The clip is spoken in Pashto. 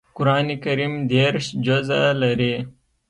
قران کریم دېرش جزء لري